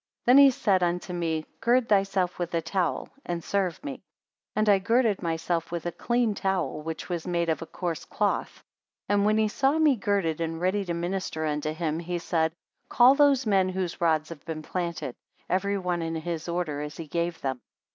Then he said unto me; Gird thyself with a towel, and serve me. 33 And I girded myself with a clean towel, which was made of coarse cloth. And when he saw me girded, and ready to minister unto him, he said, Call those men whose rods have been planted, every one in his order as he gave them.